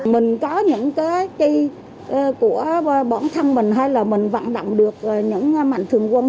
mình có những cái chi của bản thân mình hay là mình vận động được những mảnh thương quân